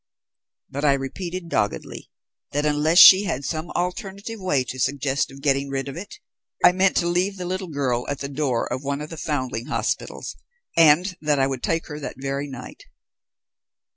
But I repeated doggedly that unless she had some alternative way to suggest of getting rid of it, I meant to leave the little girl at the door of one of the foundling hospitals, and that I would take her that very night.